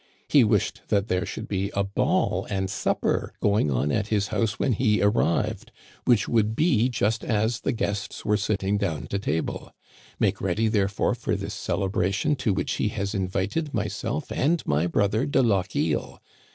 He wished that there should be a ball and supper going on at his house when he arrived, which would be just as the guests were sit ting down to table. Make ready, therefore, for this celebration, to which he has invited myself and my brother de Lochiel.